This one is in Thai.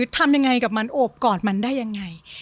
ทำยังไงกับมันโอบกอดมันได้ยังไง